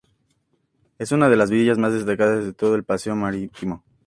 Es una de las villas más destacadas de todo el paseo marítimo.